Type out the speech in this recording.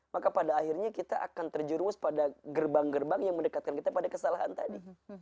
maka pada akhirnya kita akan terjerumus pada gerbang gerbang yang mendekatkan kita pada kesalahan tadi